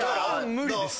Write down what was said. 無理です。